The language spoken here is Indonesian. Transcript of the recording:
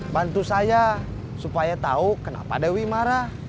bantu saya supaya tahu kenapa dewi marah